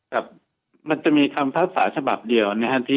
ครับมันจะมีคำพิพากษาฉบับเดียวนะครับ